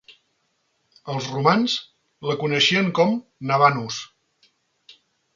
Els romans la coneixien com "Nabanus".